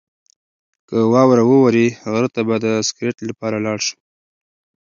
که واوره ووري، غره ته به د سکرت لپاره لاړ شو.